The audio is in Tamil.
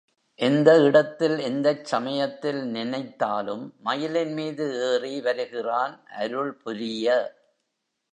எந்த இடத்தில் எந்தச் சமயத்தில் நினைத்தாலும் மயிலின் மீது ஏறி வருகின்றான் அருள்புரிய.